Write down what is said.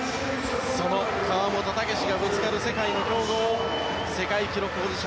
その川本武史がぶつかる世界の強豪世界記録保持者